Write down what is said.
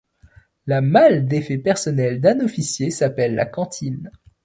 La malle d'effets personnels d'un officier s'appelle la cantine.